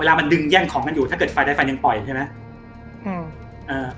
เวลามันดึงแย่งของกันอยู่ถ้าเกิดไฟได้ไฟยังปล่อยใช่ไหมอืมอ่า